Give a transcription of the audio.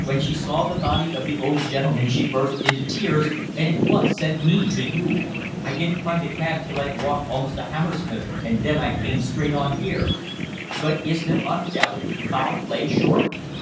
When she saw the body of the old gentleman she burst into tears, and at once sent me to you. I didn't find a cab till I'd walked almost to Hammersmith, and then I came straight on here." "But is there undoubtedly foul play, Short?"